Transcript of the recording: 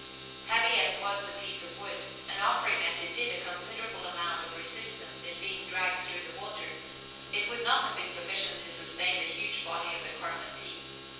Heavy as was the piece of wood, and offering, as it did, a considerable amount of resistance in being dragged through the water, it would not have been sufficient to sustain the huge body of the Coromantee.